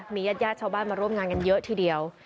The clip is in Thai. มีญาติญาติชาวบ้านมาร่วมงานกันเยอะทีเดียว